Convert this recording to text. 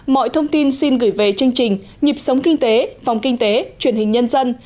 mọi thông tin xin gửi về chương trình nhịp sống kinh tế phòng kinh tế truyền hình nhân dân